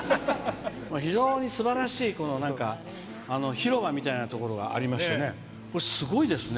非常にすばらしい広場みたいなところがありましてすごいですね。